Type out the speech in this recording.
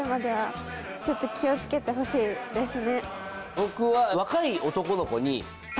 僕は。